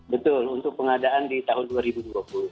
betul untuk pengadaan di tahun dua ribu dua puluh